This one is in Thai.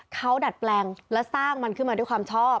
เขาดัดแปลงและสร้างมันขึ้นมาด้วยความชอบ